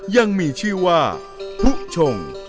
ยังมีชื่อว่าผู้ชง